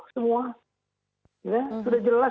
semua sudah jelas